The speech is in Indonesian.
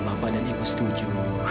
bapak dan ibu setuju